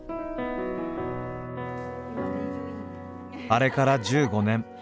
あれから１５年。